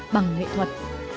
bằng nghệ thuật